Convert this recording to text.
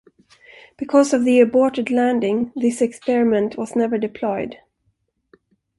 Because of the aborted landing, this experiment was never deployed.